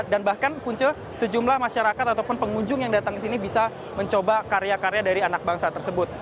dan bahkan punca sejumlah masyarakat ataupun pengunjung yang datang ke sini bisa mencoba karya karya dari anak bangsa tersebut